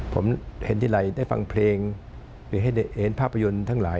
ผมเห็นทีไรได้ฟังเพลงหรือให้เห็นภาพยนตร์ทั้งหลาย